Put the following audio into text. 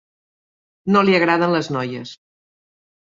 No li agraden les noies.